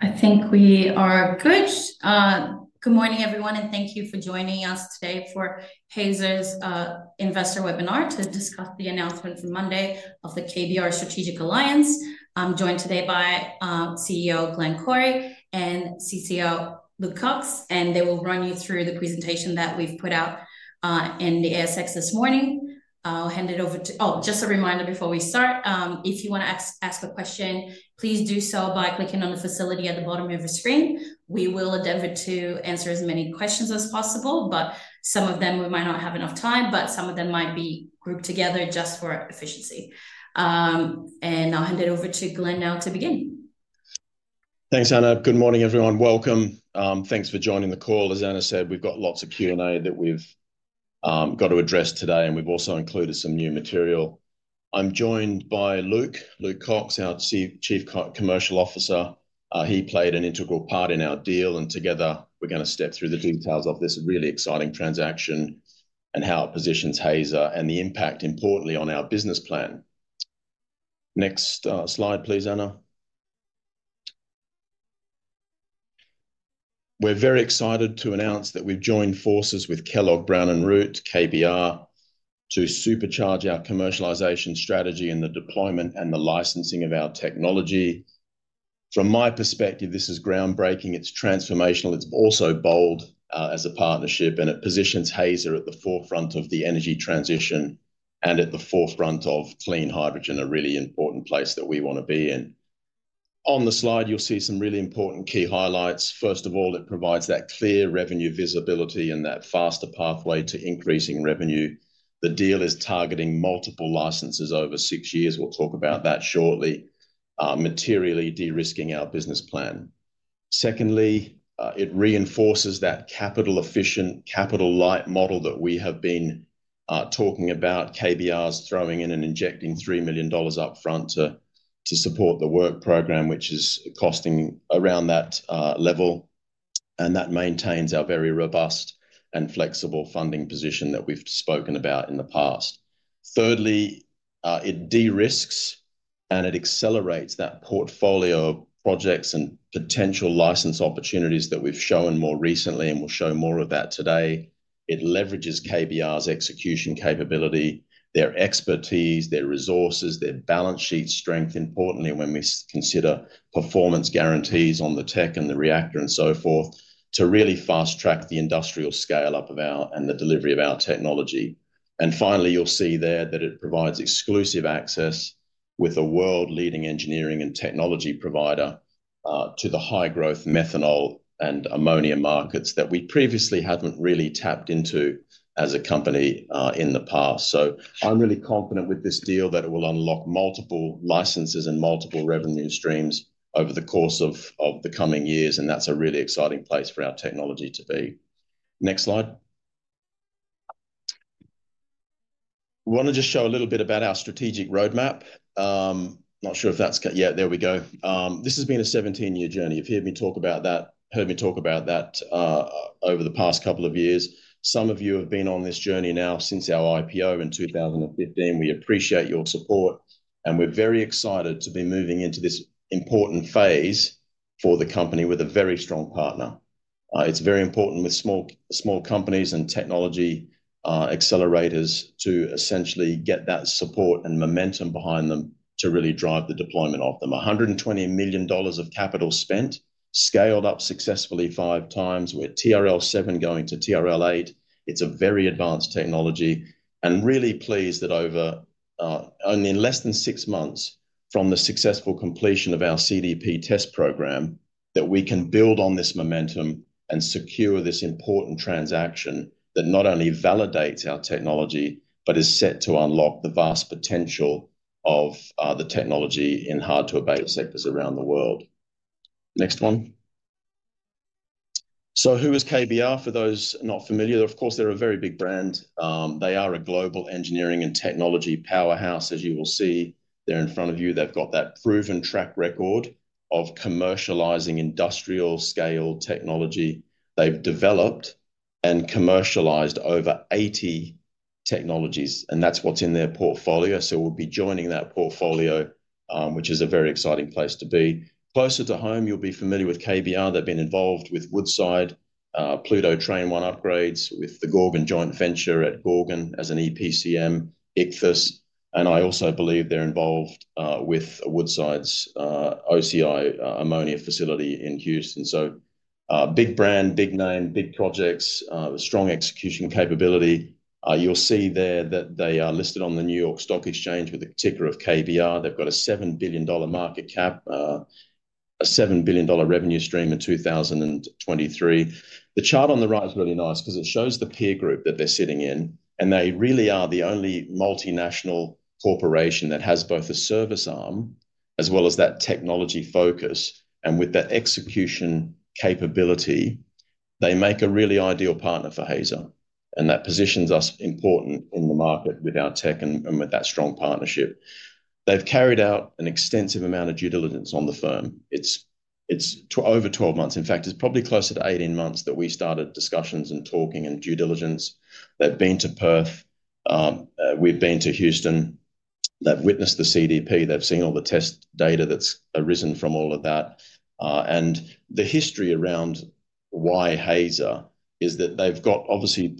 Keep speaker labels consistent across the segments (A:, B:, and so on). A: I think we are good. Good morning, everyone, and thank you for joining us today for Hazer's investor webinar to discuss the announcement from Monday of the KBR Strategic Alliance. I'm joined today by CEO Glenn Corrie and CCO Luc Kox, and they will run you through the presentation that we've put out in the ASX this morning. I'll hand it over to—oh, just a reminder before we start. If you want to ask a question, please do so by clicking on the facility at the bottom of your screen. We will endeavor to answer as many questions as possible, but some of them we might not have enough time, but some of them might be grouped together just for efficiency. I'll hand it over to Glenn now to begin.
B: Thanks, Anna. Good morning, everyone. Welcome. Thanks for joining the call. As Anna said, we've got lots of Q&A that we've got to address today, and we've also included some new material. I'm joined by Luc, Luc Kox, our Chief Commercial Officer. He played an integral part in our deal, and together we're going to step through the details of this really exciting transaction and how it positions Hazer and the impact, importantly, on our business plan. Next slide, please, Anna. We're very excited to announce that we've joined forces with KBR to supercharge our commercialization strategy and the deployment and the licensing of our technology. From my perspective, this is groundbreaking. It's transformational. It's also bold as a partnership, and it positions Hazer at the forefront of the energy transition and at the forefront of clean hydrogen, a really important place that we want to be in. On the slide, you'll see some really important key highlights. First of all, it provides that clear revenue visibility and that faster pathway to increasing revenue. The deal is targeting multiple licenses over six years. We'll talk about that shortly, materially de-risking our business plan. Secondly, it reinforces that capital-efficient, capital-light model that we have been talking about, KBR's throwing in and injecting 3 million dollars upfront to support the work program, which is costing around that level, and that maintains our very robust and flexible funding position that we've spoken about in the past. Thirdly, it de-risks and it accelerates that portfolio of projects and potential license opportunities that we've shown more recently, and we'll show more of that today. It leverages KBR's execution capability, their expertise, their resources, their balance sheet strength, importantly, when we consider performance guarantees on the tech and the reactor and so forth, to really fast-track the industrial scale-up of our and the delivery of our technology. Finally, you'll see there that it provides exclusive access with a world-leading engineering and technology provider to the high-growth methanol and ammonia markets that we previously haven't really tapped into as a company in the past. I'm really confident with this deal that it will unlock multiple licenses and multiple revenue streams over the course of the coming years, and that's a really exciting place for our technology to be. Next slide. I want to just show a little bit about our strategic roadmap. Not sure if that's—yeah, there we go. This has been a 17-year journey. You've heard me talk about that, heard me talk about that over the past couple of years. Some of you have been on this journey now since our IPO in 2015. We appreciate your support, and we're very excited to be moving into this important phase for the company with a very strong partner. It's very important with small companies and technology accelerators to essentially get that support and momentum behind them to really drive the deployment of them. 120 million dollars of capital spent, scaled up successfully five times. We're TRL7 going to TRL8. It's a very advanced technology, and really pleased that over only less than six months from the successful completion of our CDP test program, that we can build on this momentum and secure this important transaction that not only validates our technology, but is set to unlock the vast potential of the technology in hard-to-abate sectors around the world. Next one. Who is KBR for those not familiar? Of course, they're a very big brand. They are a global engineering and technology powerhouse, as you will see there in front of you. They've got that proven track record of commercializing industrial-scale technology. They've developed and commercialized over 80 technologies, and that's what's in their portfolio. We will be joining that portfolio, which is a very exciting place to be. Closer to home, you'll be familiar with KBR. They've been involved with Woodside Pluto Train One upgrades, with the Gorgon Joint Venture at Gorgon as an EPCM, ICTHUS, and I also believe they're involved with Woodside's OCI ammonia facility in Houston. Big brand, big name, big projects, strong execution capability. You'll see there that they are listed on the New York Stock Exchange with a ticker of KBR. They've got a 7 billion dollar market cap, a 7 billion dollar revenue stream in 2023. The chart on the right is really nice because it shows the peer group that they're sitting in, and they really are the only multinational corporation that has both a service arm as well as that technology focus. With that execution capability, they make a really ideal partner for Hazer, and that positions us important in the market with our tech and with that strong partnership. They've carried out an extensive amount of due diligence on the firm. It's over 12 months. In fact, it's probably closer to 18 months that we started discussions and talking and due diligence. They've been to Perth. We've been to Houston. They've witnessed the CDP. They've seen all the test data that's arisen from all of that. The history around why Hazer is that they've got obviously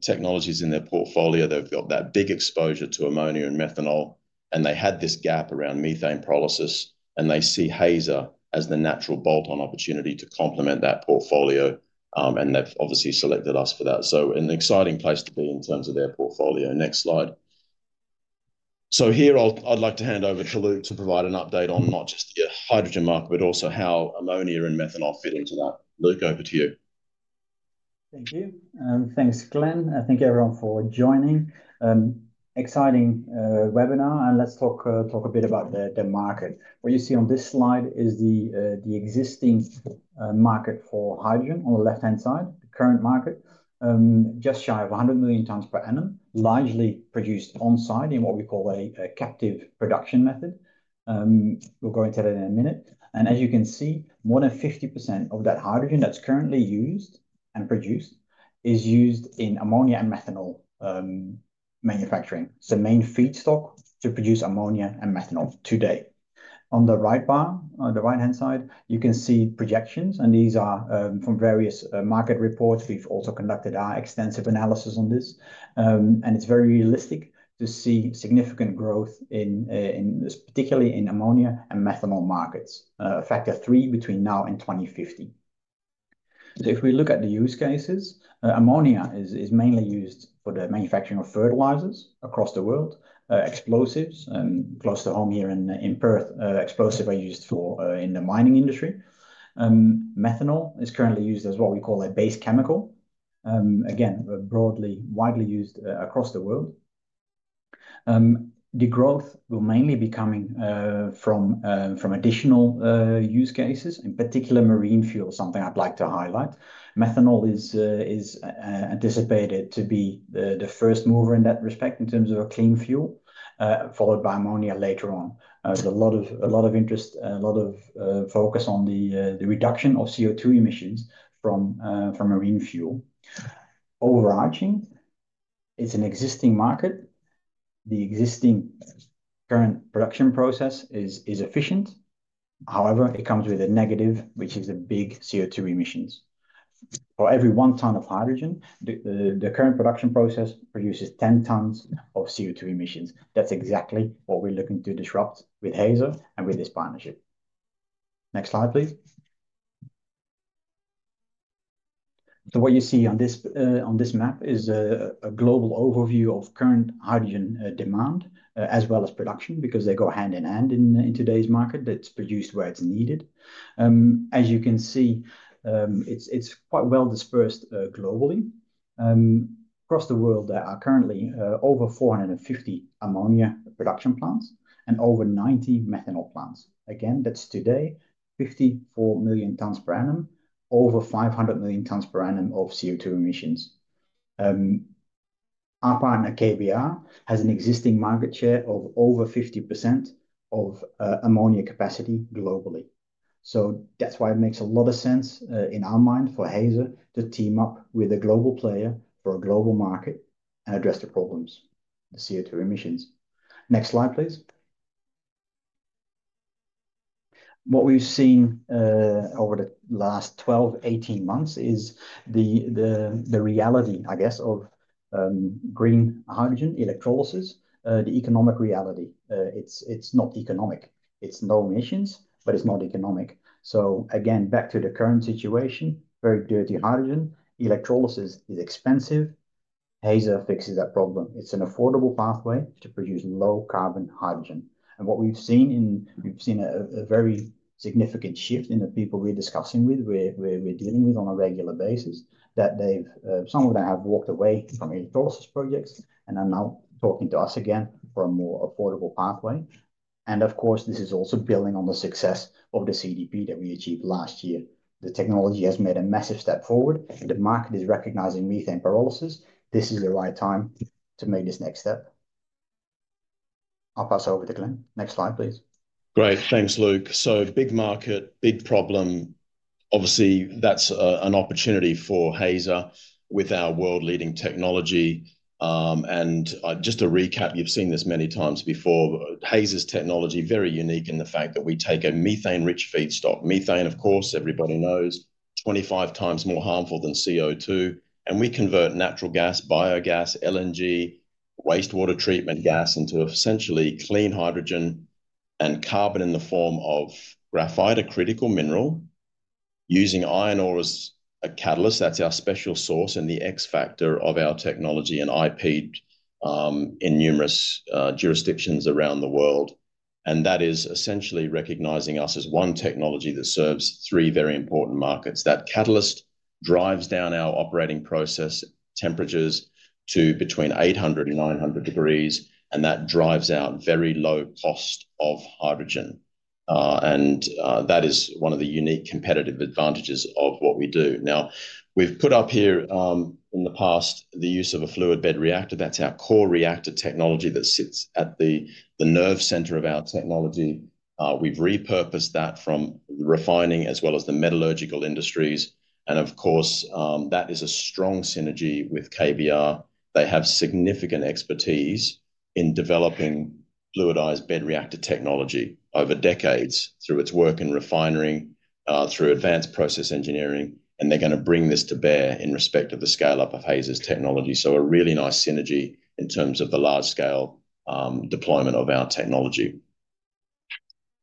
B: technologies in their portfolio. They've got that big exposure to ammonia and methanol, and they had this gap around methane pyrolysis, and they see Hazer as the natural bolt-on opportunity to complement that portfolio, and they've obviously selected us for that. An exciting place to be in terms of their portfolio. Next slide. Here, I'd like to hand over to Luc to provide an update on not just the hydrogen market, but also how ammonia and methanol fit into that. Luc, over to you.
C: Thank you. Thanks, Glenn. I thank everyone for joining. Exciting webinar, and let's talk a bit about the market. What you see on this slide is the existing market for hydrogen on the left-hand side, the current market, just shy of 100 million tons per annum, largely produced on-site in what we call a captive production method. We'll go into that in a minute. As you can see, more than 50% of that hydrogen that's currently used and produced is used in ammonia and methanol manufacturing. It's the main feedstock to produce ammonia and methanol today. On the right bar, on the right-hand side, you can see projections, and these are from various market reports. We've also conducted our extensive analysis on this, and it's very realistic to see significant growth in, particularly in ammonia and methanol markets, a factor three between now and 2050. If we look at the use cases, ammonia is mainly used for the manufacturing of fertilizers across the world, explosives, and close to home here in Perth, explosives are used in the mining industry. Methanol is currently used as what we call a base chemical, again, widely used across the world. The growth will mainly be coming from additional use cases, in particular, marine fuel, something I'd like to highlight. Methanol is anticipated to be the first mover in that respect in terms of a clean fuel, followed by ammonia later on. There's a lot of interest, a lot of focus on the reduction of CO2 emissions from marine fuel. Overarching, it's an existing market. The existing current production process is efficient. However, it comes with a negative, which is the big CO2 emissions. For every one ton of hydrogen, the current production process produces 10 tons of CO2 emissions. That's exactly what we're looking to disrupt with Hazer and with this partnership. Next slide, please. What you see on this map is a global overview of current hydrogen demand as well as production because they go hand in hand in today's market. It's produced where it's needed. As you can see, it's quite well dispersed globally. Across the world, there are currently over 450 ammonia production plants and over 90 methanol plants. Again, that's today, 54 million tons per annum, over 500 million tons per annum of CO2 emissions. Our partner, KBR, has an existing market share of over 50% of ammonia capacity globally. That's why it makes a lot of sense in our mind for Hazer to team up with a global player for a global market and address the problems, the CO2 emissions. Next slide, please. What we've seen over the last 12-18 months is the reality, I guess, of green hydrogen electrolysis, the economic reality. It's not economic. It's low emissions, but it's not economic. Again, back to the current situation, very dirty hydrogen, electrolysis is expensive. Hazer fixes that problem. It's an affordable pathway to produce low-carbon hydrogen. What we've seen, we've seen a very significant shift in the people we're discussing with, we're dealing with on a regular basis, that some of them have walked away from electrolysis projects and are now talking to us again for a more affordable pathway. Of course, this is also building on the success of the CDP that we achieved last year. The technology has made a massive step forward. The market is recognizing methane pyrolysis. This is the right time to make this next step. I'll pass over to Glenn. Next slide, please.
B: Great. Thanks, Luc. Big market, big problem. Obviously, that's an opportunity for Hazer with our world-leading technology. Just to recap, you've seen this many times before. Hazer's technology is very unique in the fact that we take a methane-rich feedstock, methane, of course, everybody knows, 25 times more harmful than CO2, and we convert natural gas, biogas, LNG, wastewater treatment gas into essentially clean hydrogen and carbon in the form of graphite, a critical mineral, using iron ore as a catalyst. That's our special source and the X factor of our technology and IP in numerous jurisdictions around the world. That is essentially recognizing us as one technology that serves three very important markets. That catalyst drives down our operating process temperatures to between 800 and 900 degrees, and that drives out very low cost of hydrogen. That is one of the unique competitive advantages of what we do. We have put up here in the past the use of a fluid bed reactor. That is our core reactor technology that sits at the nerve center of our technology. We have repurposed that from refining as well as the metallurgical industries. Of course, that is a strong synergy with KBR. They have significant expertise in developing fluidized bed reactor technology over decades through its work in refinery, through advanced process engineering, and they are going to bring this to bear in respect of the scale-up of Hazer's technology. A really nice synergy in terms of the large-scale deployment of our technology.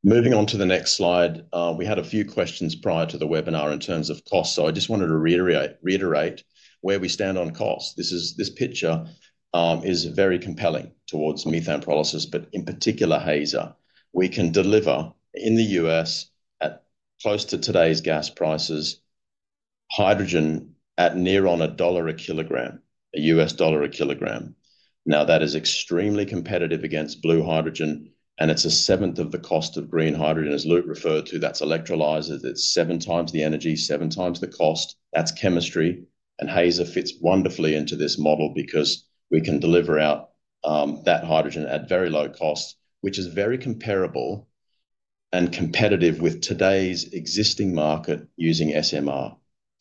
B: Moving on to the next slide, we had a few questions prior to the webinar in terms of cost. I just wanted to reiterate where we stand on cost. This picture is very compelling towards methane pyrolysis, but in particular, Hazer. We can deliver in the U.S. at close to today's gas prices hydrogen at near on a dollar a kilogram, a $1 a kilogram. Now, that is extremely competitive against blue hydrogen, and it's a seventh of the cost of green hydrogen, as Luc referred to. That's electrolysis. It's seven times the energy, seven times the cost. That's chemistry. And Hazer fits wonderfully into this model because we can deliver out that hydrogen at very low cost, which is very comparable and competitive with today's existing market using SMR.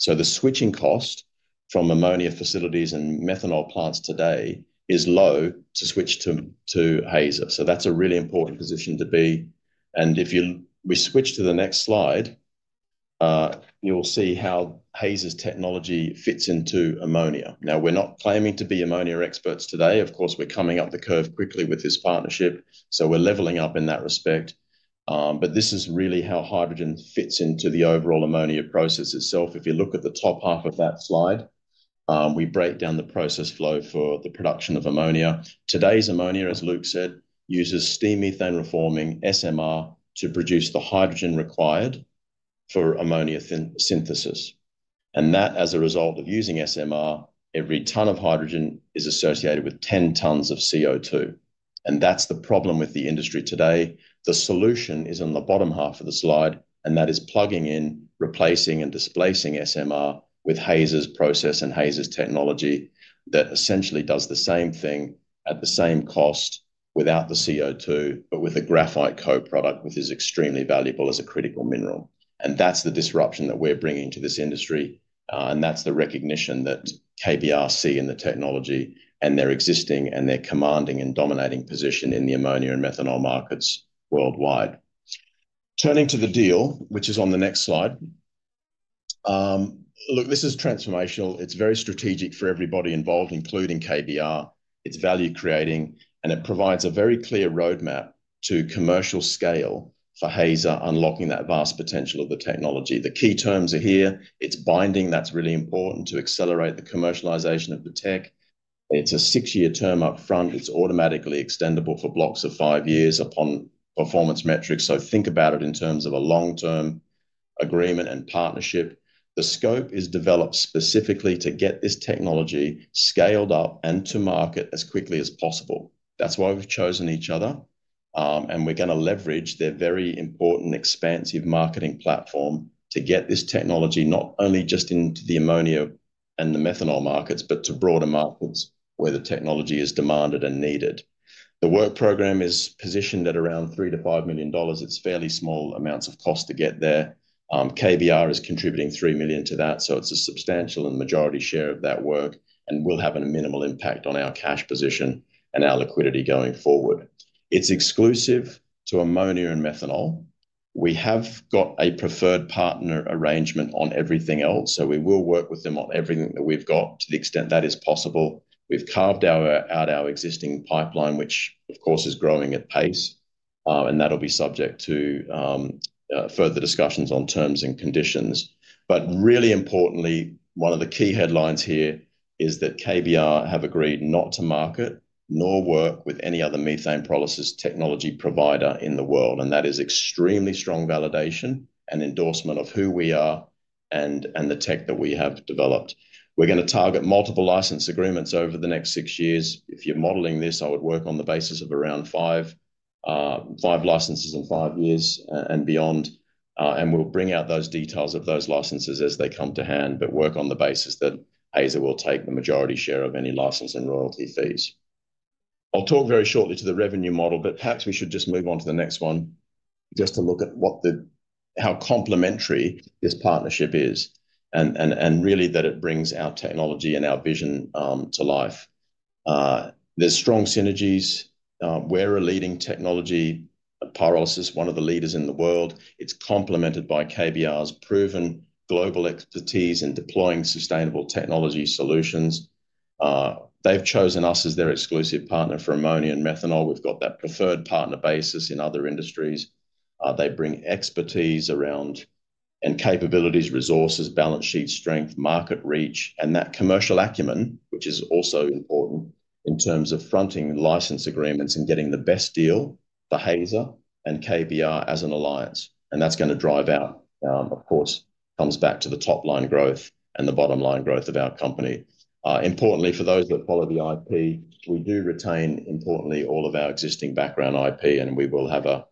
B: The switching cost from ammonia facilities and methanol plants today is low to switch to Hazer. That is a really important position to be. If we switch to the next slide, you'll see how Hazer's technology fits into ammonia. Now, we're not claiming to be ammonia experts today. Of course, we're coming up the curve quickly with this partnership, so we're leveling up in that respect. This is really how hydrogen fits into the overall ammonia process itself. If you look at the top half of that slide, we break down the process flow for the production of ammonia. Today's ammonia, as Luc said, uses steam methane reforming SMR to produce the hydrogen required for ammonia synthesis. As a result of using SMR, every ton of hydrogen is associated with 10 tons of CO2. That's the problem with the industry today. The solution is in the bottom half of the slide, and that is plugging in, replacing, and displacing SMR with Hazer's process and Hazer's technology that essentially does the same thing at the same cost without the CO2, but with a graphite co-product which is extremely valuable as a critical mineral. That is the disruption that we're bringing to this industry. That is the recognition that KBR see in the technology and their existing and their commanding and dominating position in the ammonia and methanol markets worldwide. Turning to the deal, which is on the next slide. Look, this is transformational. It's very strategic for everybody involved, including KBR. It's value-creating, and it provides a very clear roadmap to commercial scale for Hazer unlocking that vast potential of the technology. The key terms are here. It's binding. That's really important to accelerate the commercialization of the tech. It's a six-year term upfront. It's automatically extendable for blocks of five years upon performance metrics. Think about it in terms of a long-term agreement and partnership. The scope is developed specifically to get this technology scaled up and to market as quickly as possible. That's why we've chosen each other. We're going to leverage their very important expansive marketing platform to get this technology not only just into the ammonia and the methanol markets, but to broader markets where the technology is demanded and needed. The work program is positioned at around $3 million-$5 million. It's fairly small amounts of cost to get there. KBR is contributing $3 million to that, so it's a substantial and majority share of that work and will have a minimal impact on our cash position and our liquidity going forward. It's exclusive to ammonia and methanol. We have got a preferred partner arrangement on everything else, so we will work with them on everything that we've got to the extent that is possible. We've carved out our existing pipeline, which, of course, is growing at pace, and that'll be subject to further discussions on terms and conditions. Really importantly, one of the key headlines here is that KBR have agreed not to market nor work with any other methane pyrolysis technology provider in the world. That is extremely strong validation and endorsement of who we are and the tech that we have developed. We're going to target multiple license agreements over the next six years. If you're modeling this, I would work on the basis of around five licenses in five years and beyond. We will bring out those details of those licenses as they come to hand, but work on the basis that Hazer will take the majority share of any license and royalty fees. I'll talk very shortly to the revenue model, but perhaps we should just move on to the next one just to look at how complementary this partnership is and really that it brings our technology and our vision to life. There are strong synergies. We're a leading technology pyrolysis, one of the leaders in the world. It's complemented by KBR's proven global expertise in deploying sustainable technology solutions. They've chosen us as their exclusive partner for ammonia and methanol. We've got that preferred partner basis in other industries. They bring expertise around and capabilities, resources, balance sheet strength, market reach, and that commercial acumen, which is also important in terms of fronting license agreements and getting the best deal for Hazer and KBR as an alliance. That is going to drive out, of course, comes back to the top-line growth and the bottom-line growth of our company. Importantly, for those that follow the IP, we do retain, importantly, all of our existing background IP, and we will have a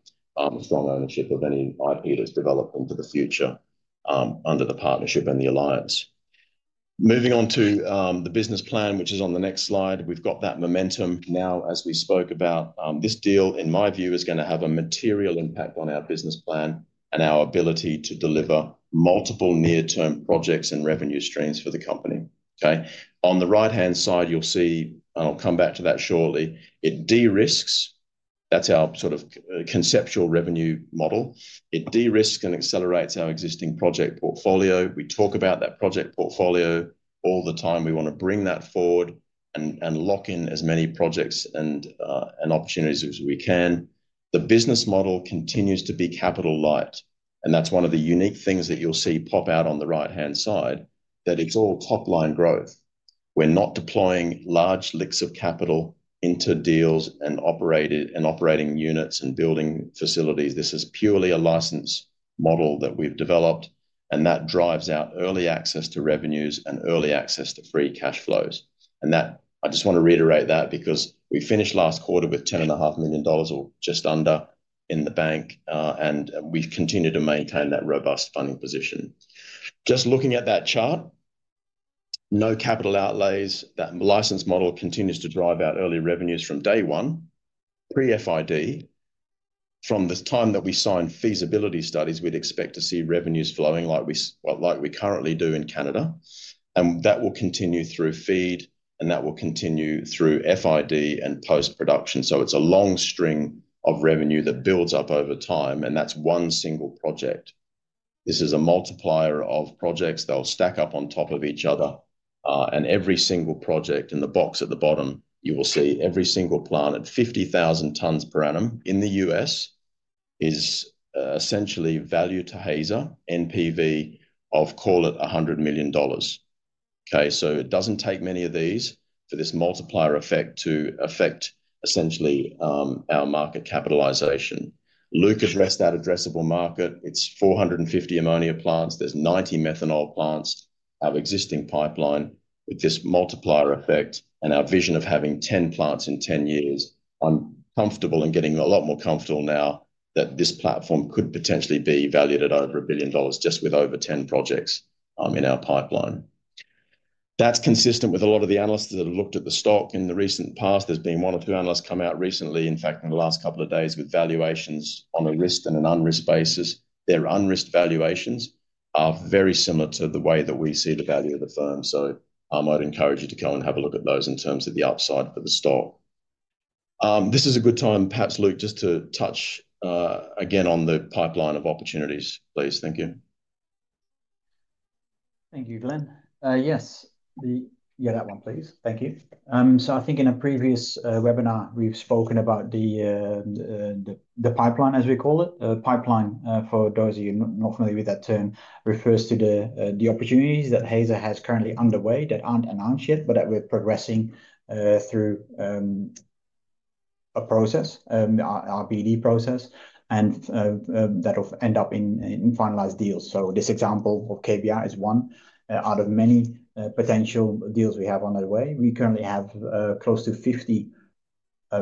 B: strong ownership of any IP that's developed into the future under the partnership and the alliance. Moving on to the business plan, which is on the next slide, we've got that momentum. Now, as we spoke about, this deal, in my view, is going to have a material impact on our business plan and our ability to deliver multiple near-term projects and revenue streams for the company. Okay. On the right-hand side, you'll see, and I'll come back to that shortly, it de risks. That's our sort of conceptual revenue model. It de risks and accelerates our existing project portfolio. We talk about that project portfolio all the time. We want to bring that forward and lock in as many projects and opportunities as we can. The business model continues to be capital light. That's one of the unique things that you'll see pop out on the right-hand side, that it's all top-line growth. We're not deploying large licks of capital into deals and operating units and building facilities. This is purely a license model that we've developed, and that drives out early access to revenues and early access to free cash flows. I just want to reiterate that because we finished last quarter with 10.5 million dollars or just under in the bank, and we've continued to maintain that robust funding position. Just looking at that chart, no capital outlays. That licensing model continues to drive out early revenues from day one, pre-FID. From the time that we sign feasibility studies, we'd expect to see revenues flowing like we currently do in Canada. That will continue through feed, and that will continue through FID and post-production. It is a long string of revenue that builds up over time, and that's one single project. This is a multiplier of projects. They'll stack up on top of each other. Every single project in the box at the bottom, you will see every single plant at 50,000 tons per annum in the US is essentially value to Hazer NPV of, call it, $100 million. Okay. It does not take many of these for this multiplier effect to affect essentially our market capitalization. Luc has rested out addressable market. It is 450 ammonia plants. There are 90 methanol plants of existing pipeline with this multiplier effect and our vision of having 10 plants in 10 years. I am comfortable in getting a lot more comfortable now that this platform could potentially be valued at over $1 billion just with over 10 projects in our pipeline. That is consistent with a lot of the analysts that have looked at the stock in the recent past. There's been one or two analysts come out recently, in fact, in the last couple of days with valuations on a risk and an unrisk basis. Their unrisk valuations are very similar to the way that we see the value of the firm. So I might encourage you to go and have a look at those in terms of the upside for the stock. This is a good time, perhaps, Luc, just to touch again on the pipeline of opportunities, please. Thank you.
C: Thank you, Glenn. Yes. Yeah, that one, please. Thank you. I think in a previous webinar, we've spoken about the pipeline, as we call it. Pipeline, for those of you not familiar with that term, refers to the opportunities that Hazer has currently underway that aren't announced yet, but that we're progressing through a process, an RPD process, and that will end up in finalized deals. This example of KBR is one out of many potential deals we have on the way. We currently have close to 50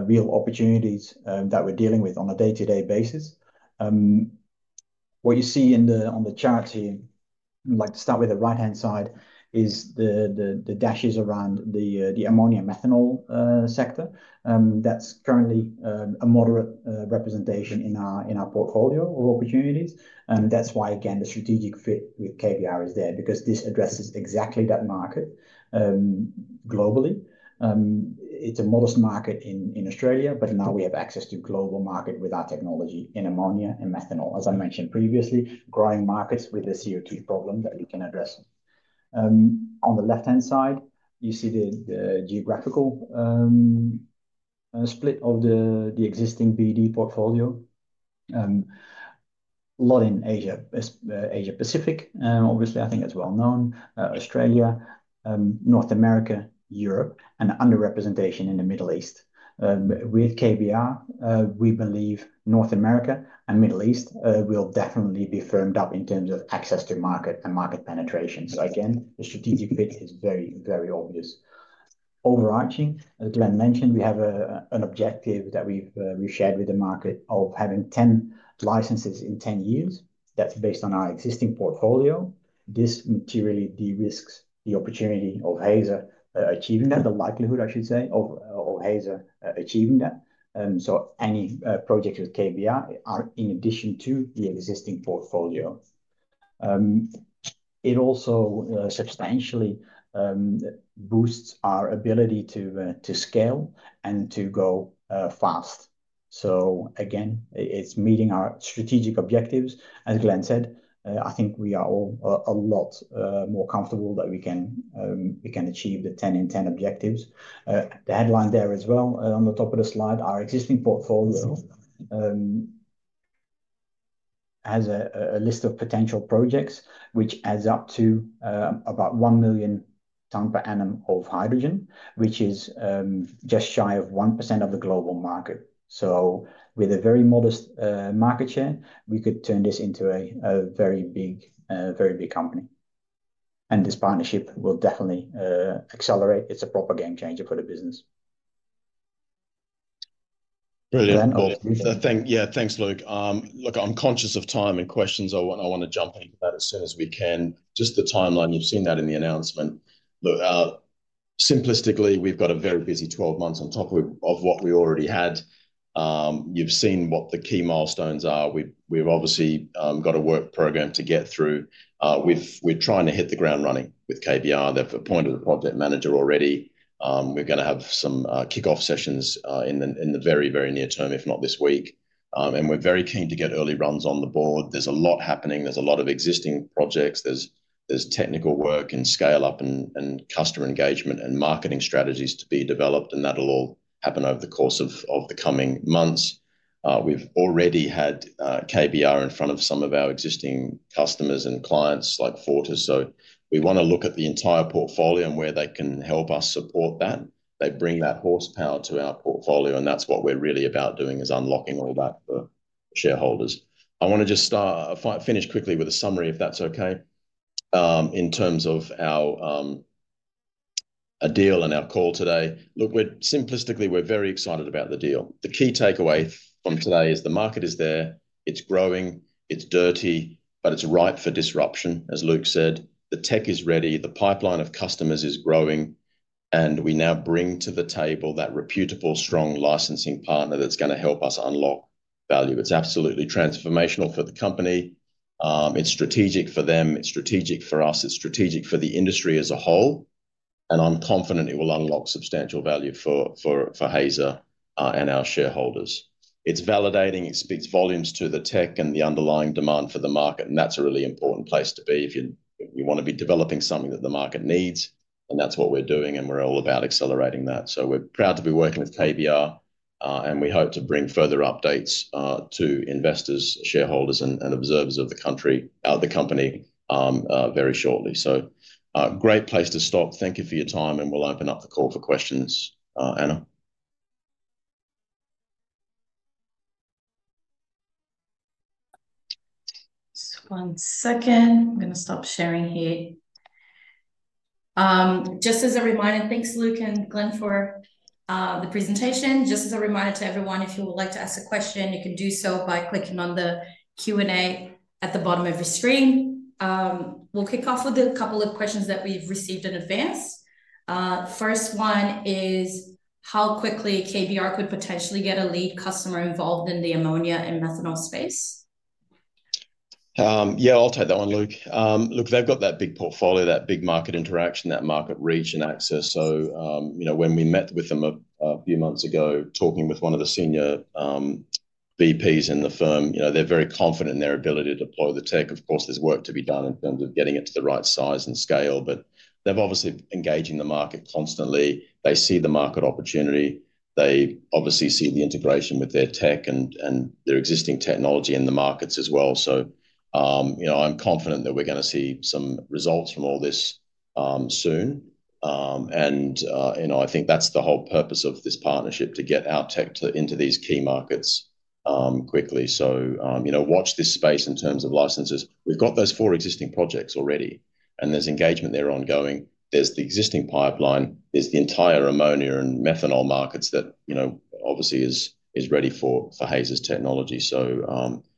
C: real opportunities that we're dealing with on a day-to-day basis. What you see on the chart here, like to start with the right-hand side, is the dashes around the ammonia methanol sector. That's currently a moderate representation in our portfolio of opportunities. That's why, again, the strategic fit with KBR is there because this addresses exactly that market globally. It's a modest market in Australia, but now we have access to a global market with our technology in ammonia and methanol. As I mentioned previously, growing markets with a CO2 problem that we can address. On the left-hand side, you see the geographical split of the existing BD portfolio. A lot in Asia Pacific, obviously, I think it's well known, Australia, North America, Europe, and underrepresentation in the Middle East. With KBR, we believe North America and Middle East will definitely be firmed up in terms of access to market and market penetration. Again, the strategic fit is very, very obvious. Overarching, as Glenn mentioned, we have an objective that we've shared with the market of having 10 licenses in 10 years. That's based on our existing portfolio. This materially de-risks the opportunity of Hazer achieving that, the likelihood, I should say, of Hazer achieving that. Any projects with KBR are in addition to the existing portfolio. It also substantially boosts our ability to scale and to go fast. Again, it's meeting our strategic objectives. As Glenn said, I think we are all a lot more comfortable that we can achieve the 10-in-10 objectives. The headline there as well on the top of the slide, our existing portfolio has a list of potential projects, which adds up to about 1 million tons per annum of hydrogen, which is just shy of 1% of the global market. With a very modest market share, we could turn this into a very big company. This partnership will definitely accelerate. It's a proper game changer for the business.
B: Brilliant. Yeah, thanks, Luc. Look, I'm conscious of time and questions. I want to jump into that as soon as we can. Just the timeline, you've seen that in the announcement. Simplistically, we've got a very busy 12 months on top of what we already had. You've seen what the key milestones are. We've obviously got a work program to get through. We're trying to hit the ground running with KBR. They've appointed a project manager already. We're going to have some kickoff sessions in the very, very near term, if not this week. We are very keen to get early runs on the board. There's a lot happening. There's a lot of existing projects. There's technical work and scale-up and customer engagement and marketing strategies to be developed, and that'll all happen over the course of the coming months. We've already had KBR in front of some of our existing customers and clients like FortisBC. We want to look at the entire portfolio and where they can help us support that. They bring that horsepower to our portfolio, and that's what we're really about doing is unlocking all that for shareholders. I want to just finish quickly with a summary, if that's okay, in terms of our deal and our call today. Look, simplistically, we're very excited about the deal. The key takeaway from today is the market is there. It's growing. It's dirty, but it's ripe for disruption, as Luc said. The tech is ready. The pipeline of customers is growing. We now bring to the table that reputable, strong licensing partner that's going to help us unlock value. It's absolutely transformational for the company. It's strategic for them. It's strategic for us. is strategic for the industry as a whole. I am confident it will unlock substantial value for Hazer and our shareholders. It is validating. It speaks volumes to the tech and the underlying demand for the market. That is a really important place to be if you want to be developing something that the market needs. That is what we are doing, and we are all about accelerating that. We are proud to be working with KBR, and we hope to bring further updates to investors, shareholders, and observers of the company very shortly. Great place to stop. Thank you for your time, and we will open up the call for questions, Anna.
A: Just one second. I'm going to stop sharing here. Just as a reminder, thanks, Luc and Glenn, for the presentation. Just as a reminder to everyone, if you would like to ask a question, you can do so by clicking on the Q&A at the bottom of your screen. We'll kick off with a couple of questions that we've received in advance. First one is, how quickly KBR could potentially get a lead customer involved in the ammonia and methanol space?
B: Yeah, I'll take that one, Luc. Look, they've got that big portfolio, that big market interaction, that market reach and access. When we met with them a few months ago, talking with one of the senior VPs in the firm, they're very confident in their ability to deploy the tech. Of course, there's work to be done in terms of getting it to the right size and scale, but they're obviously engaging the market constantly. They see the market opportunity. They obviously see the integration with their tech and their existing technology in the markets as well. I'm confident that we're going to see some results from all this soon. I think that's the whole purpose of this partnership, to get our tech into these key markets quickly. Watch this space in terms of licenses. We've got those four existing projects already, and there's engagement there ongoing. There's the existing pipeline. There's the entire ammonia and methanol markets that obviously is ready for Hazer's technology.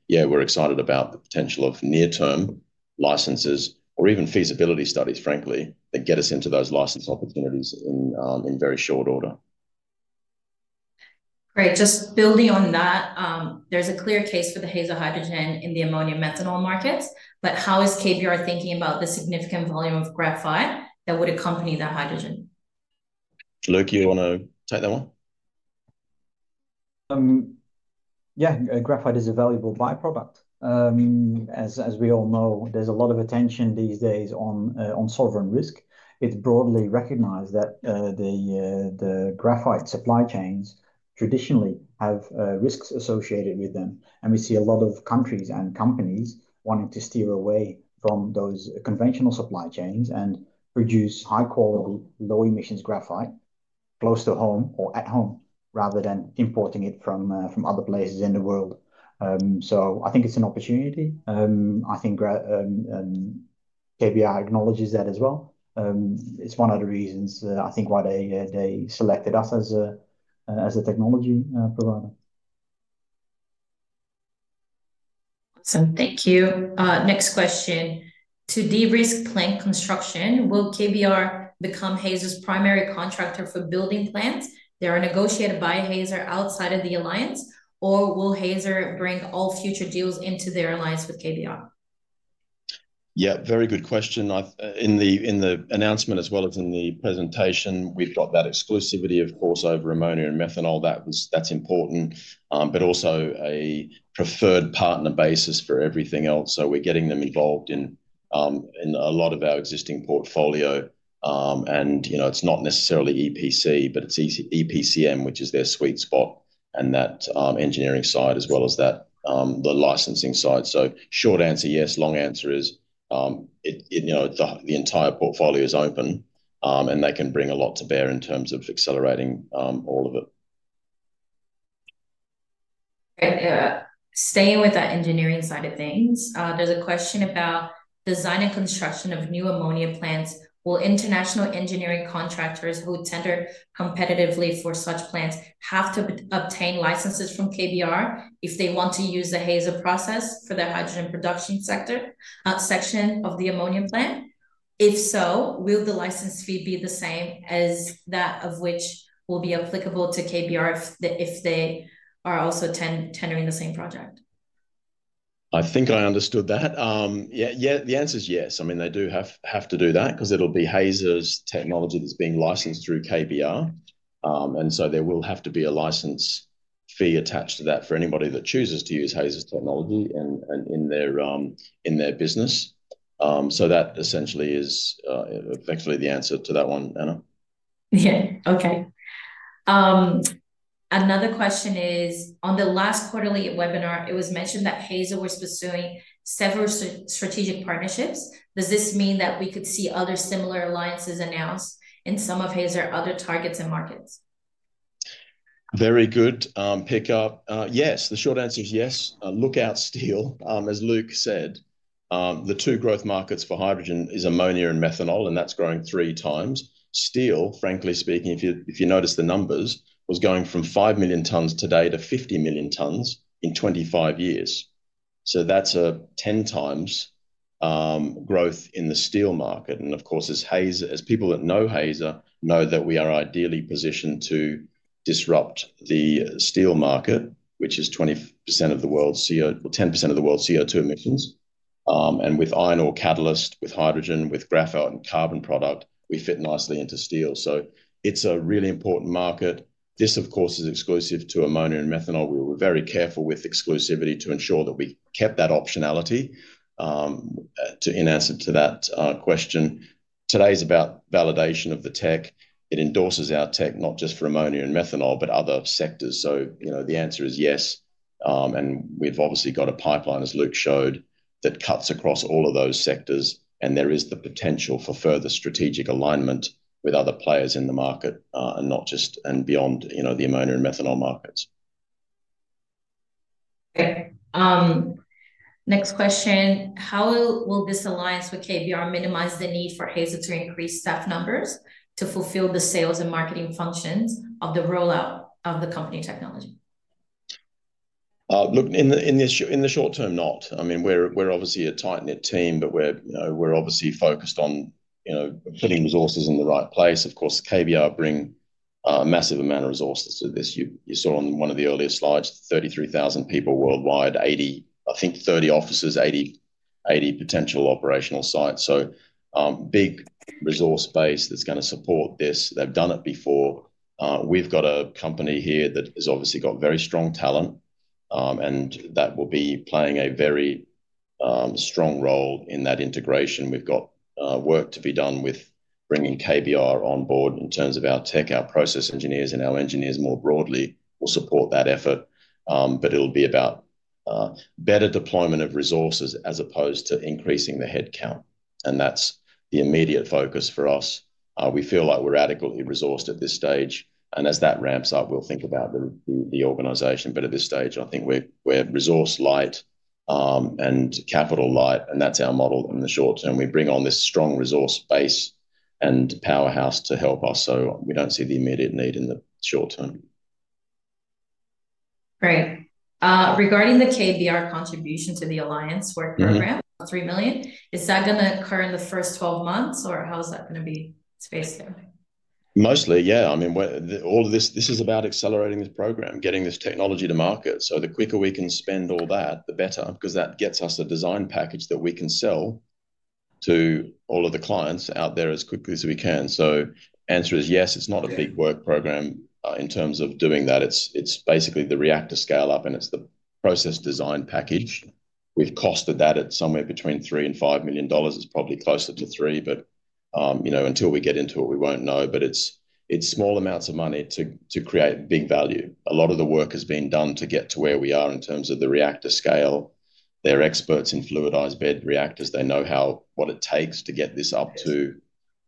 B: Yeah, we're excited about the potential of near-term licenses or even feasibility studies, frankly, that get us into those license opportunities in very short order.
A: Great. Just building on that, there's a clear case for the Hazer hydrogen in the ammonia methanol markets. How is KBR thinking about the significant volume of graphite that would accompany that hydrogen?
B: Luc, you want to take that one?
C: Yeah. Graphite is a valuable byproduct. As we all know, there's a lot of attention these days on sovereign risk. It's broadly recognized that the graphite supply chains traditionally have risks associated with them. We see a lot of countries and companies wanting to steer away from those conventional supply chains and produce high-quality, low-emissions graphite close to home or at home rather than importing it from other places in the world. I think it's an opportunity. I think KBR acknowledges that as well. It's one of the reasons, I think, why they selected us as a technology provider.
A: Awesome. Thank you. Next question. To de-risk plant construction, will KBR become Hazer's primary contractor for building plants that are negotiated by Hazer outside of the alliance, or will Hazer bring all future deals into their alliance with KBR?
B: Yeah, very good question. In the announcement as well as in the presentation, we've got that exclusivity, of course, over ammonia and methanol. That's important, but also a preferred partner basis for everything else. We're getting them involved in a lot of our existing portfolio. It's not necessarily EPC, but it's EPCM, which is their sweet spot, and that engineering side as well as the licensing side. Short answer, yes. Long answer is the entire portfolio is open, and they can bring a lot to bear in terms of accelerating all of it.
A: Staying with that engineering side of things, there's a question about design and construction of new ammonia plants. Will international engineering contractors who tender competitively for such plants have to obtain licenses from KBR if they want to use the Hazer process for their hydrogen production section of the ammonia plant? If so, will the license fee be the same as that of which will be applicable to KBR if they are also tendering the same project?
B: I think I understood that. Yeah, the answer is yes. I mean, they do have to do that because it'll be Hazer's technology that's being licensed through KBR. There will have to be a license fee attached to that for anybody that chooses to use Hazer's technology in their business. That essentially is effectively the answer to that one, Anna.
A: Yeah. Okay. Another question is, on the last quarterly webinar, it was mentioned that Hazer was pursuing several strategic partnerships. Does this mean that we could see other similar alliances announced in some of Hazer's other targets and markets?
B: Very good pickup. Yes. The short answer is yes. Look out, steel, as Luc said. The two growth markets for hydrogen are ammonia and methanol, and that's growing three times. Steel, frankly speaking, if you notice the numbers, was going from 5 million tons today to 50 million tons in 25 years. That is a 10-times growth in the steel market. Of course, as people that know Hazer know that we are ideally positioned to disrupt the steel market, which is 20% of the world's CO2, 10% of the world's CO2 emissions. With iron ore catalyst, with hydrogen, with graphite and carbon product, we fit nicely into steel. It is a really important market. This, of course, is exclusive to ammonia and methanol. We were very careful with exclusivity to ensure that we kept that optionality in answer to that question. Today's about validation of the tech. It endorses our tech, not just for ammonia and methanol, but other sectors. The answer is yes. We have obviously got a pipeline, as Luc showed, that cuts across all of those sectors. There is the potential for further strategic alignment with other players in the market and beyond the ammonia and methanol markets.
A: Okay. Next question. How will this alliance with KBR minimize the need for Hazer to increase staff numbers to fulfill the sales and marketing functions of the rollout of the company technology?
B: Look, in the short term, not. I mean, we're obviously a tight-knit team, but we're obviously focused on putting resources in the right place. Of course, KBR brings a massive amount of resources to this. You saw on one of the earlier slides, 33,000 people worldwide, I think 30 offices, 80 potential operational sites. Big resource base that's going to support this. They've done it before. We've got a company here that has obviously got very strong talent, and that will be playing a very strong role in that integration. We've got work to be done with bringing KBR on board in terms of our tech, our process engineers, and our engineers more broadly will support that effort. It'll be about better deployment of resources as opposed to increasing the headcount. That's the immediate focus for us. We feel like we're adequately resourced at this stage. As that ramps up, we'll think about the organization. At this stage, I think we're resource-light and capital-light, and that's our model in the short term. We bring on this strong resource base and powerhouse to help us. We don't see the immediate need in the short term.
A: Great. Regarding the KBR contribution to the alliance work program, 3 million, is that going to occur in the first 12 months, or how is that going to be spaced out?
B: Mostly, yeah. I mean, all of this, this is about accelerating this program, getting this technology to market. The quicker we can spend all that, the better, because that gets us a design package that we can sell to all of the clients out there as quickly as we can. The answer is yes. It's not a big work program in terms of doing that. It's basically the reactor scale-up, and it's the process design package. We've costed that at somewhere between 3 million-5 million dollars. It's probably closer to 3 million, but until we get into it, we won't know. It's small amounts of money to create big value. A lot of the work has been done to get to where we are in terms of the reactor scale. They're experts in fluidized bed reactors. They know what it takes to get this up to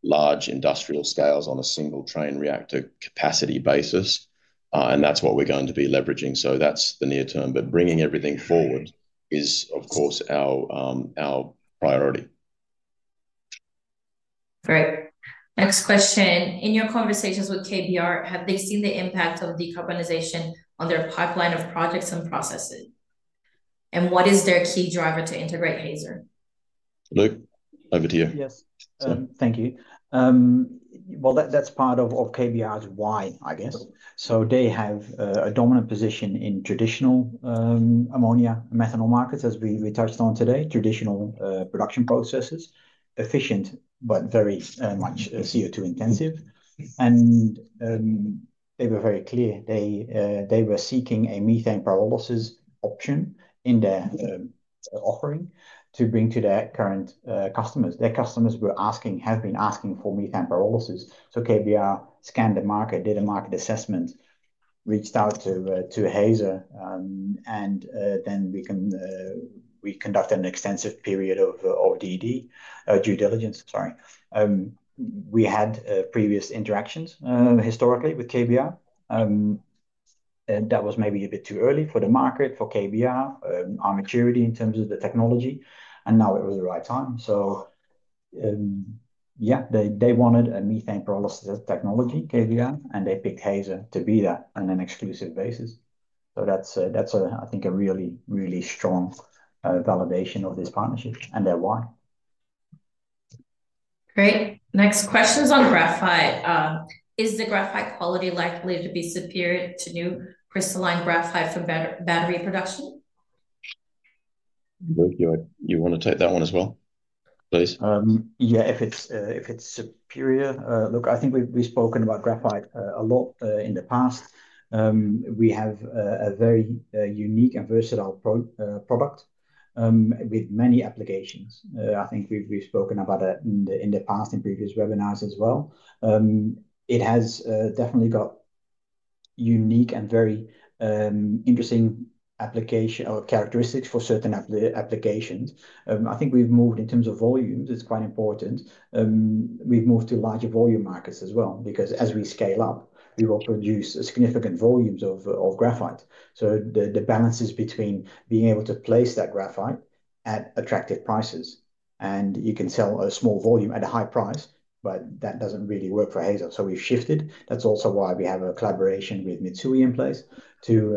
B: large industrial scales on a single train reactor capacity basis. That is what we are going to be leveraging. That is the near term. Bringing everything forward is, of course, our priority.
A: Great. Next question. In your conversations with KBR, have they seen the impact of decarbonization on their pipeline of projects and processes? What is their key driver to integrate Hazer?
B: Luc, over to you.
C: Yes. Thank you. That is part of KBR's why, I guess. They have a dominant position in traditional ammonia and methanol markets, as we touched on today, traditional production processes, efficient, but very much CO2 intensive. They were very clear. They were seeking a methane pyrolysis option in their offering to bring to their current customers. Their customers were asking, have been asking for methane pyrolysis. KBR scanned the market, did a market assessment, reached out to Hazer, and then we conducted an extensive period of due diligence. Sorry. We had previous interactions historically with KBR. That was maybe a bit too early for the market, for KBR, our maturity in terms of the technology. Now it was the right time. They wanted a methane pyrolysis technology, KBR, and they picked Hazer to be that on an exclusive basis. I think that's a really, really strong validation of this partnership and their why.
A: Great. Next question is on graphite. Is the graphite quality likely to be superior to new crystalline graphite from battery production?
B: Luc, you want to take that one as well, please?
C: Yeah, if it's superior. Look, I think we've spoken about graphite a lot in the past. We have a very unique and versatile product with many applications. I think we've spoken about it in the past in previous webinars as well. It has definitely got unique and very interesting characteristics for certain applications. I think we've moved in terms of volumes. It's quite important. We've moved to larger volume markets as well because as we scale up, we will produce significant volumes of graphite. The balance is between being able to place that graphite at attractive prices. You can sell a small volume at a high price, but that doesn't really work for Hazer. We've shifted. That's also why we have a collaboration with Mitsui in place to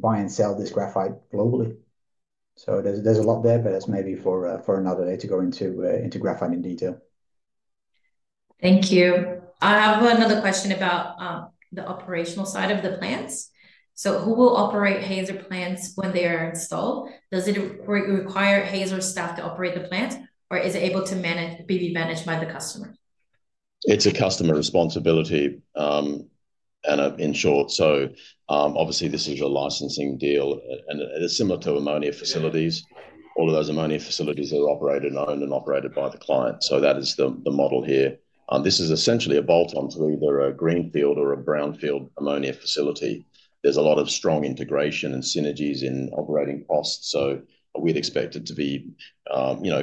C: buy and sell this graphite globally. There's a lot there, but that's maybe for another day to go into graphite in detail.
A: Thank you. I have another question about the operational side of the plants. Who will operate Hazer plants when they are installed? Does it require Hazer staff to operate the plants, or is it able to be managed by the customer?
B: It's a customer responsibility, Anna, in short. Obviously, this is a licensing deal. It's similar to ammonia facilities. All of those ammonia facilities are owned and operated by the client. That is the model here. This is essentially a bolt-on to either a greenfield or a brownfield ammonia facility. There is a lot of strong integration and synergies in operating costs. We would expect it to be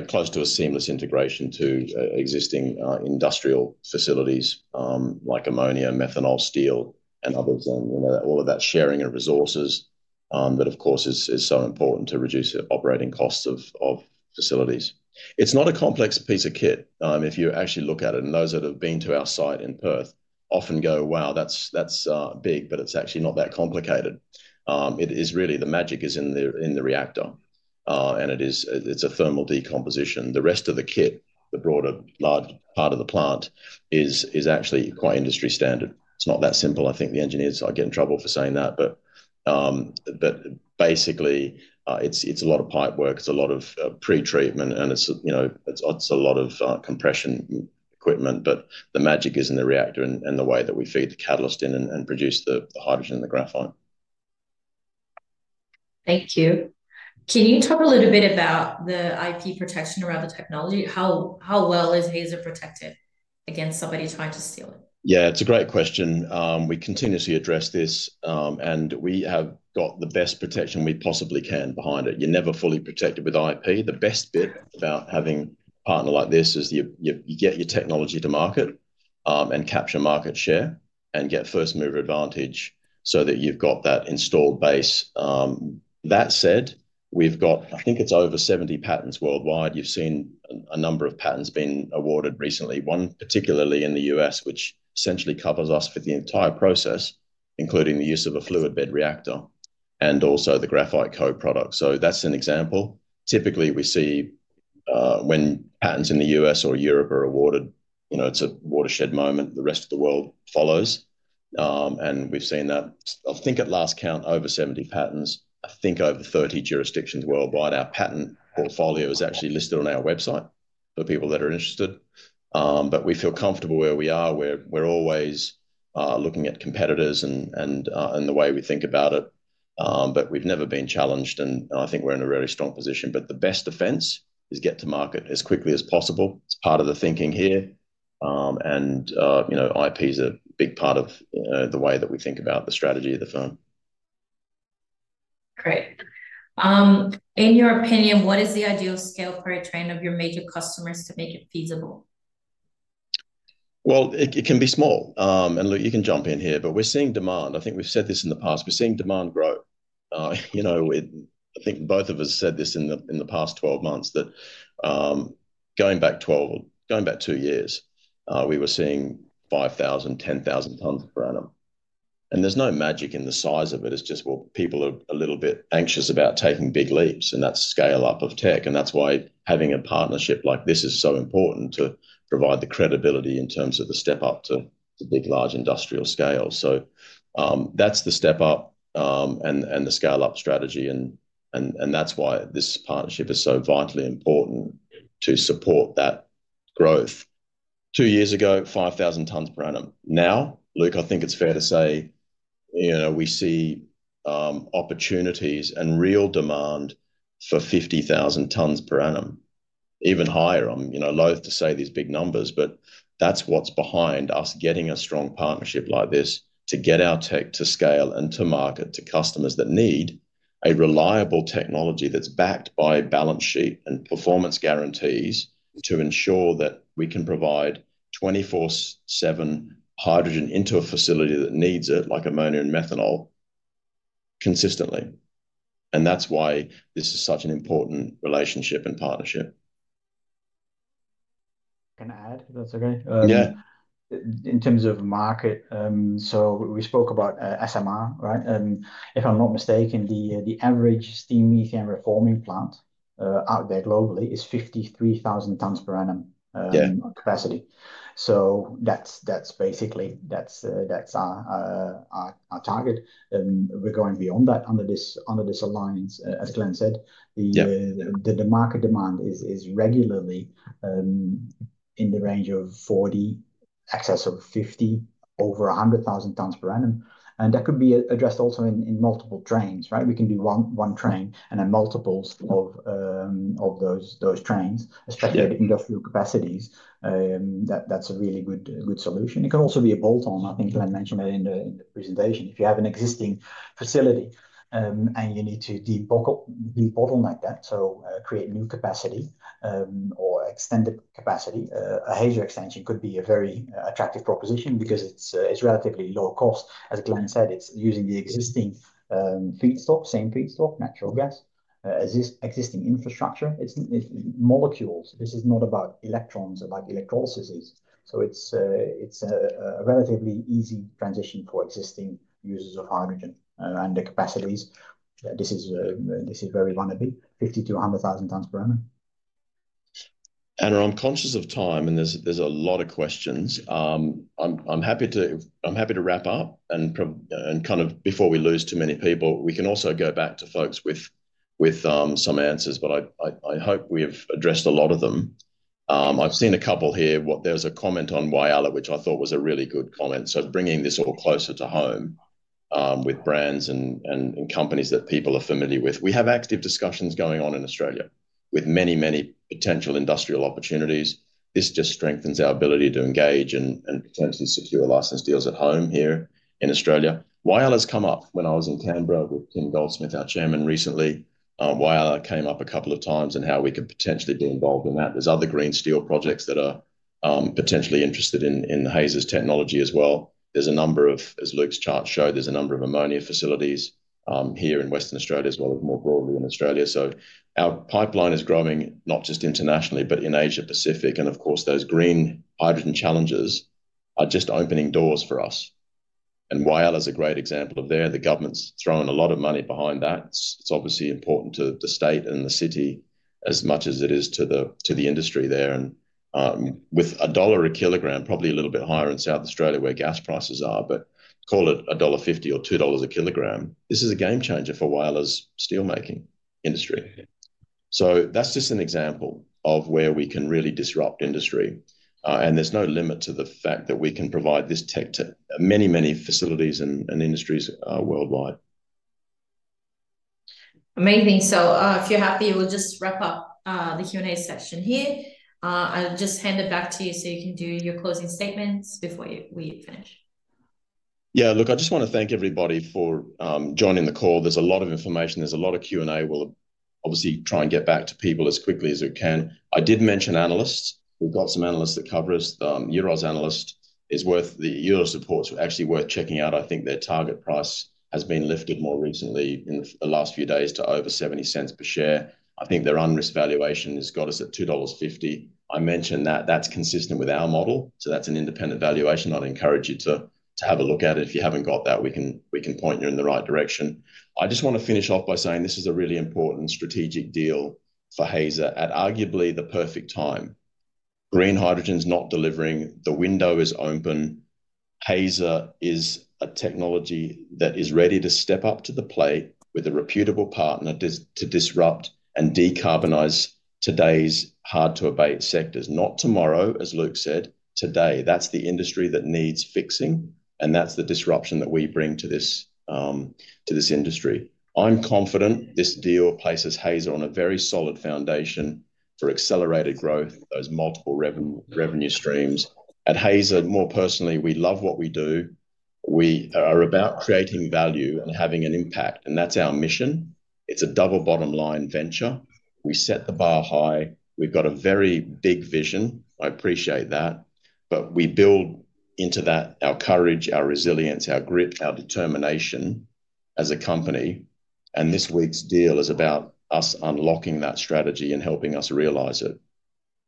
B: close to a seamless integration to existing industrial facilities like ammonia, methanol, steel, and others. All of that sharing of resources, of course, is so important to reduce operating costs of facilities. It's not a complex piece of kit. If you actually look at it and those that have been to our site in Perth often go, "Wow, that's big, but it's actually not that complicated." It is really the magic is in the reactor, and it's a thermal decomposition. The rest of the kit, the broader large part of the plant, is actually quite industry standard. It's not that simple. I think the engineers are getting trouble for saying that. Basically, it's a lot of pipe work. It's a lot of pre-treatment, and it's a lot of compression equipment. The magic is in the reactor and the way that we feed the catalyst in and produce the hydrogen and the graphite.
A: Thank you. Can you talk a little bit about the IP protection around the technology? How well is Hazer protected against somebody trying to steal it?
B: Yeah, it's a great question. We continuously address this, and we have got the best protection we possibly can behind it. You're never fully protected with IP. The best bit about having a partner like this is you get your technology to market and capture market share and get first-mover advantage so that you've got that installed base. That said, we've got, I think it's over 70 patents worldwide. You've seen a number of patents being awarded recently, one particularly in the US, which essentially covers us for the entire process, including the use of a fluidized bed reactor and also the graphite co-product. That's an example. Typically, we see when patents in the US or Europe are awarded, it's a watershed moment. The rest of the world follows. We've seen that, I think at last count, over 70 patents. I think over 30 jurisdictions worldwide. Our patent portfolio is actually listed on our website for people that are interested. We feel comfortable where we are. We're always looking at competitors and the way we think about it. We've never been challenged, and I think we're in a really strong position. The best defense is get to market as quickly as possible. It's part of the thinking here. IP is a big part of the way that we think about the strategy of the firm.
A: Great. In your opinion, what is the ideal scale for a train of your major customers to make it feasible?
B: It can be small. Luc, you can jump in here, but we're seeing demand. I think we've said this in the past. We're seeing demand grow. I think both of us said this in the past 12 months that going back 12, going back two years, we were seeing 5,000-10,000 tons per annum. There is no magic in the size of it. It's just, well, people are a little bit anxious about taking big leaps, and that's scale-up of tech. That is why having a partnership like this is so important to provide the credibility in terms of the step-up to big, large industrial scale. That is the step-up and the scale-up strategy. That is why this partnership is so vitally important to support that growth. Two years ago, 5,000 tons per annum. Now, Luc, I think it's fair to say we see opportunities and real demand for 50,000 tons per annum, even higher. I'm loath to say these big numbers, but that's what's behind us getting a strong partnership like this to get our tech to scale and to market to customers that need a reliable technology that's backed by balance sheet and performance guarantees to ensure that we can provide 24/7 hydrogen into a facility that needs it, like ammonia and methanol, consistently. That's why this is such an important relationship and partnership.
C: Can I add, if that's okay?
B: Yeah.
C: In terms of market, so we spoke about SMR, right? If I'm not mistaken, the average steam methane reforming plant out there globally is 53,000 tons per annum capacity. That's basically our target. We're going beyond that under this alliance. As Glenn said, the market demand is regularly in the range of 40, excess of 50, over 100,000 tons per annum. That could be addressed also in multiple trains, right? We can do one train and then multiples of those trains, especially the industrial capacities. That's a really good solution. It can also be a bolt-on. I think Glenn mentioned that in the presentation. If you have an existing facility and you need to debottle like that, so create new capacity or extended capacity, a Hazer extension could be a very attractive proposition because it's relatively low cost. As Glenn said, it's using the existing feedstock, same feedstock, natural gas, existing infrastructure. It's molecules. This is not about electrons like electrolysis. It's a relatively easy transition for existing users of hydrogen and the capacities. This is very wannabe, 50-100,000 tons per annum.
B: Anna, I'm conscious of time, and there's a lot of questions. I'm happy to wrap up. Kind of before we lose too many people, we can also go back to folks with some answers, but I hope we've addressed a lot of them. I've seen a couple here. There was a comment on Whyalla, which I thought was a really good comment. Bringing this all closer to home with brands and companies that people are familiar with. We have active discussions going on in Australia with many, many potential industrial opportunities. This just strengthens our ability to engage and potentially secure license deals at home here in Australia. Whyalla's come up when I was in Canberra with Tim Goldsmith, our Chairman, recently. Whyalla came up a couple of times and how we could potentially be involved in that. are other green steel projects that are potentially interested in Hazer's technology as well. There are a number of, as Luc's chart showed, there are a number of ammonia facilities here in Western Australia as well as more broadly in Australia. Our pipeline is growing not just internationally, but in Asia Pacific. Of course, those green hydrogen challenges are just opening doors for us. Whyalla is a great example there. The government's thrown a lot of money behind that. It is obviously important to the state and the city as much as it is to the industry there. With AUD 1 a kilogram, probably a little bit higher in South Australia where gas prices are, but call it dollar 1.50 or 2 dollars a kilogram, this is a game changer for Whyalla's steelmaking industry. That is just an example of where we can really disrupt industry. There is no limit to the fact that we can provide this tech to many, many facilities and industries worldwide.
A: Amazing. If you're happy, we'll just wrap up the Q&A session here. I'll just hand it back to you so you can do your closing statements before we finish.
B: Yeah, Luc, I just want to thank everybody for joining the call. There's a lot of information. There's a lot of Q&A. We'll obviously try and get back to people as quickly as we can. I did mention analysts. We've got some analysts that cover us. Euros Analyst is worth the Euros supports are actually worth checking out. I think their target price has been lifted more recently in the last few days to over 0.70 per share. I think their unrisk valuation has got us at 2.50 dollars. I mentioned that. That's consistent with our model. So that's an independent valuation. I'd encourage you to have a look at it. If you haven't got that, we can point you in the right direction. I just want to finish off by saying this is a really important strategic deal for Hazer at arguably the perfect time. Green hydrogen's not delivering. The window is open. Hazer is a technology that is ready to step up to the plate with a reputable partner to disrupt and decarbonize today's hard-to-abate sectors. Not tomorrow, as Luc said, today. That is the industry that needs fixing, and that is the disruption that we bring to this industry. I'm confident this deal places Hazer on a very solid foundation for accelerated growth, those multiple revenue streams. At Hazer, more personally, we love what we do. We are about creating value and having an impact, and that is our mission. It's a double bottom-line venture. We set the bar high. We've got a very big vision. I appreciate that. We build into that our courage, our resilience, our grit, our determination as a company. This week's deal is about us unlocking that strategy and helping us realize it.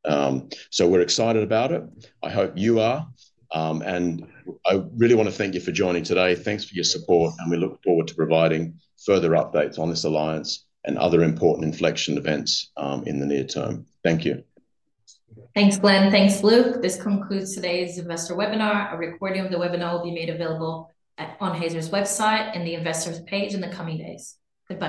B: We are excited about it. I hope you are. I really want to thank you for joining today. Thanks for your support, and we look forward to providing further updates on this alliance and other important inflection events in the near term. Thank you.
A: Thanks, Glenn. Thanks, Luc. This concludes today's investor webinar. A recording of the webinar will be made available on Hazer's website and the investors' page in the coming days. Good.